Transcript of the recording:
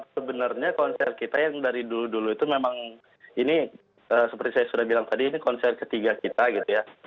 sebenarnya konser kita yang dari dulu dulu itu memang ini seperti saya sudah bilang tadi ini konser ketiga kita gitu ya